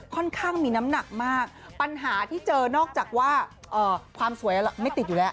ค่อนข้างมีน้ำหนักมากปัญหาที่เจอนอกจากว่าความสวยไม่ติดอยู่แล้ว